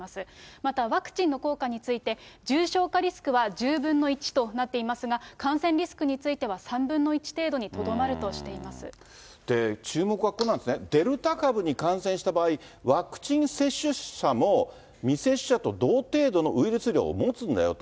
また、ワクチンの効果について、重症化リスクは１０分の１となっていますが、感染リスクについては３分の１程度にとどまるとして注目はここなんですね、デルタ株に感染した場合、ワクチン接種者も、未接種者と同程度のウイルス量を持つんだよと。